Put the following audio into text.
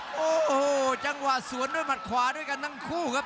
โอ้โหจังหวะสวนด้วยหมัดขวาด้วยกันทั้งคู่ครับ